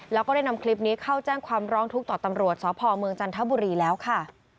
แล้วก็ได้นำคลิปนี้เข้าแจ้งความร้องทุกข์ต่อตำรวจสพเมืองจันทบุรีแล้วค่ะ